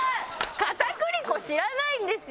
片栗粉知らないんですよ。